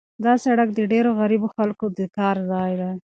دا سړک د ډېرو غریبو خلکو د کار ځای دی.